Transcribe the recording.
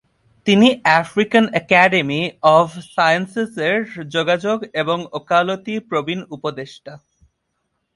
তিনি African academy of সায়েন্সেসের যোগাযোগ এবং ওকালতি প্রবীন উপদেষ্টা।